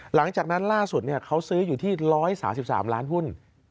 หลังจากนั้นล่าสุดเขาซื้ออยู่ที่๑๓๓ล้านหุ้น